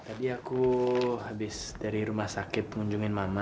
tapi aku habis dari rumah sakit pengunjungin mama